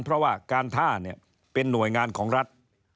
เพราะว่าการท่าเนี่ยเป็นหน่วยงานของรัฐ